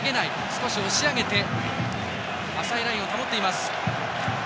少し押し上げて浅いラインを保っています。